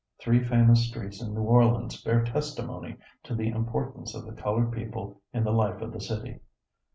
Three famous streets in New Orleans bear testimony to the importance of the colored people in the life of the city.